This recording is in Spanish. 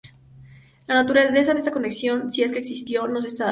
La naturaleza de esta conexión, si es que existió, no se sabe.